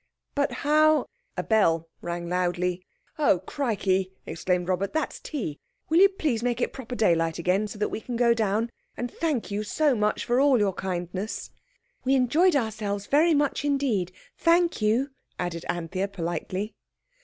"But how—" A bell rang loudly. "Oh crikey!" exclaimed Robert, "that's tea! Will you please make it proper daylight again so that we can go down. And thank you so much for all your kindness." "We've enjoyed ourselves very much indeed, thank you!" added Anthea politely.